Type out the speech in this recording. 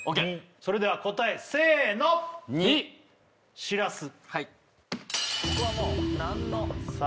それでは答えせーの２しらすはいさあ